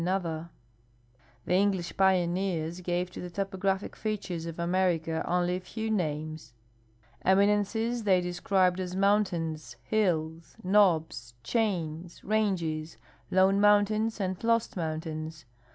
Ml 292 TOPOGRAPHIC TERMS OF SPANISH AMERICA The English pioneers gave to the tojDographic features of America only a few names. Eminences they described as moun tains, hills, knobs, chains, ranges, lone mountains, and lost mountains.